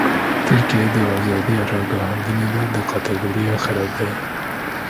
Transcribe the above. Tirkiye di azadiya ragihandinê de di kategoriya xerab" de ye.